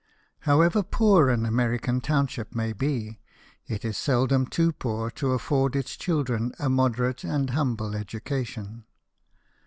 However poor an American township may be, it is seldom too poor to afford its children a moderate and humble education.